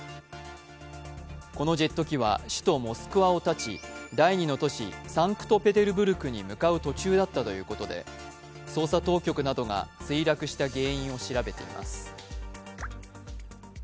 このジェット機は首都・モスクワをたち第２の都市・サンクトペテルブルクに向かう途中だったということで捜査当局などが墜落した原因を調べています。